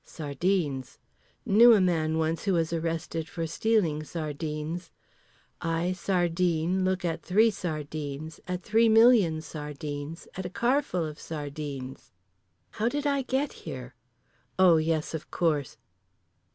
Sardines. Knew a man once who was arrested for stealing sardines. I, sardine, look at three sardines, at three million sardines, at a carful of sardines. How did I get here? Oh yes of course.